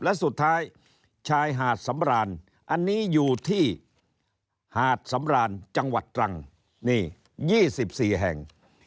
และสุดท้ายชายหาดสำรานอันนี้อยู่ที่หาดสำราญจังหวัดตรังนี่๒๔แห่ง